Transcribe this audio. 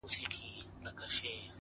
پير; مُريد او ملا هم درپسې ژاړي;